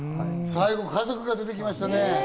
最後、家族が出てきましたね。